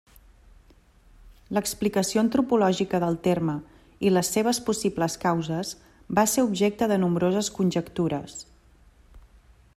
L'explicació antropològica del terme i les seves possibles causes va ser objecte de nombroses conjectures.